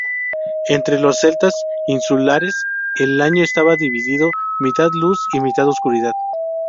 Entre los celtas insulares el año estaba dividido mitad luz y mitad oscuridad.